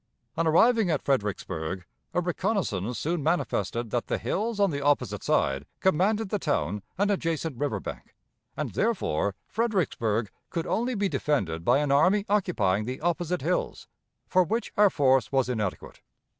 On arriving at Fredericksburg, a reconnaissance soon manifested that the hills on the opposite side commanded the town and adjacent river bank, and therefore Fredericksburg could only be defended by an army occupying the opposite hills, for which our force was inadequate.